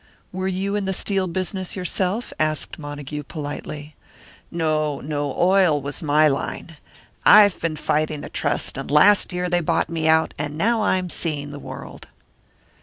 "Were you in the steel business yourself?" asked Montague, politely. "No, no, oil was my line. I've been fighting the Trust, and last year they bought me out, and now I'm seeing the world."